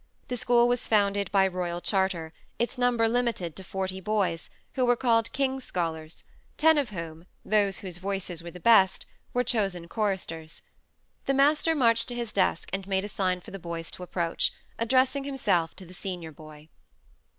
The school was founded by royal charter its number limited to forty boys, who were called king's scholars, ten of whom, those whose voices were the best, were chosen choristers. The master marched to his desk, and made a sign for the boys to approach, addressing himself to the senior boy.